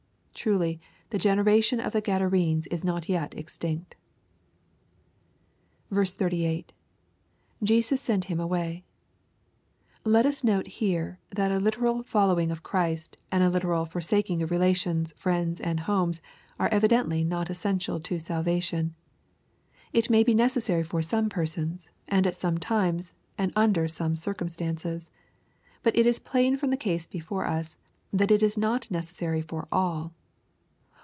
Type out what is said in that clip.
Truly the generation of the G adarenes is not yet extinct 38. — [Jesus seal him away.] — ^Let us note here, that a literal follow ing of Christ) and literal forsaking of relations, friends, and homes, are evidently not essential to salvation. It may be necessary for some persons, and at some times, and under some circumstances. But it is plain from the case before us, that it is not necessary for all.